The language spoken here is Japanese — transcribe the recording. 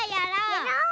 やろう！